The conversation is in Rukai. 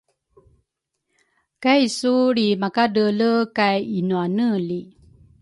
kaisu lrimakadreele kay inuaneli.